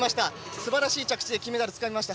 素晴らしい着地で金メダルをつかみました。